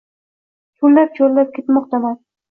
Choʼllab-choʼllab ketmoqdaman.